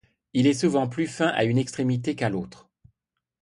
Il est souvent plus fin à une extrémité qu'à l'autre.